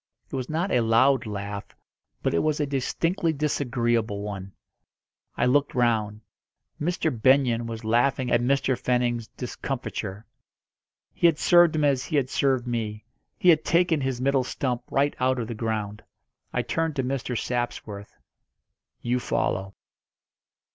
It was not a loud laugh, but it was a distinctly disagreeable one. I looked round. Mr. Benyon was laughing at Mr. Fenning's discomfiture. He had served him as he had served me he had taken his middle stump right out of the ground. I turned to Mr. Sapsworth. "You follow."